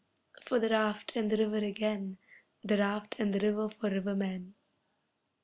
for the raft and the river again, The raft and the river for rivermen.